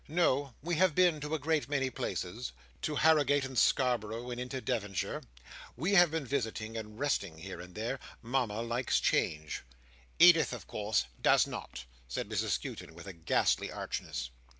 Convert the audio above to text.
"No, we have been to a great many places. To Harrogate and Scarborough, and into Devonshire. We have been visiting, and resting here and there. Mama likes change." "Edith of course does not," said Mrs Skewton, with a ghastly archness.